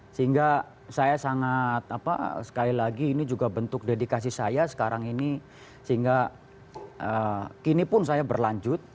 sehingga saya sangat apa sekali lagi ini juga bentuk dedikasi saya sekarang ini sehingga kini pun saya berlanjut